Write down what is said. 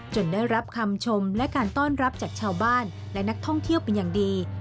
ได้รับคำชมและการต้อนรับจากชาวบ้านและนักท่องเที่ยวเป็นอย่างดี